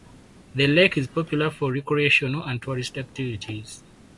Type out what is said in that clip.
The lake is popular for recreational and tourist activities.